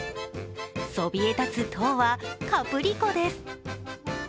そびえ立つ塔はカプリコです。